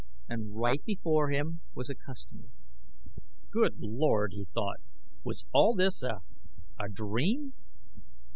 And right before him was a customer. Good Lord! he thought. Was all this a a dream?